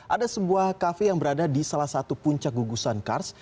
ada sebuah kafe yang berada di salah satu puncak gugusan kars